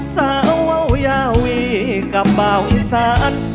สาวเว้วยาวีกับเบาอิสัตว์